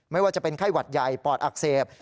ไม่ว่าจะเป็นไข้หวัดใหญ่ปอดอักเสบ